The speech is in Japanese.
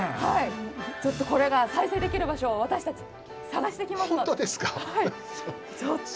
これが再生できる場所を私たち探してきます。